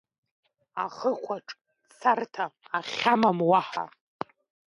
Ахықәаҿ, царҭа ахьамам уаҳа…